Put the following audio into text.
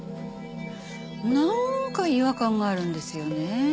なんか違和感があるんですよねえ。